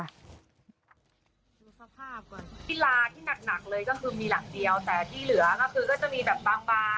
ฮิลาที่หนักเลยก็คือมีหลักเดียวแต่ที่เหลืองักคือก็จะมีแบบบาง